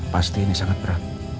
pasti ini sangat berat